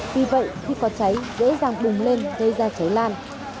vì vậy khi có cháy dễ dàng bùng lên gây ra cháy lan